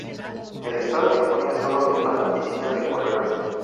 El estado disponía sólo de una oficina de correos.